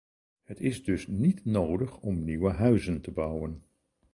Het is dus niet nodig om nieuwe huizen te bouwen.